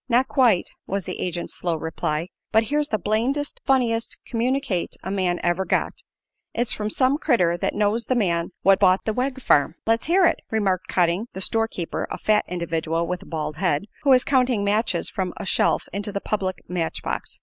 "Not quite," was the agent's slow reply; "but here's the blamedest funniest communicate a man ever got! It's from some critter that knows the man what bought the Wegg farm." "Let's hear it," remarked Cotting, the store keeper, a fat individual with a bald head, who was counting matches from a shelf into the public match box.